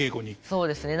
そうですね。